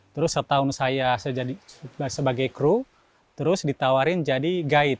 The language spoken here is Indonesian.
terus setahun saya sebagai kru terus ditawarin jadi guide